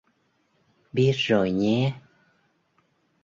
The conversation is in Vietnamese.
Biết rồi nhé